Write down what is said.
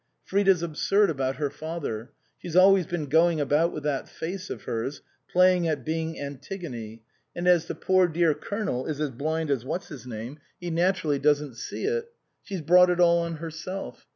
Frida's absurd about her father ; she's always been going about with that face of hers, playing at being Antigone, and as the poor dear Colonel is as blind as What's his name ? he naturally doesn't see it. She's brought it all on herself.